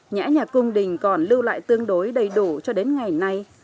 nhã nhạc cung đình còn lưu lại tương đối đầy đủ cho đến ngày nay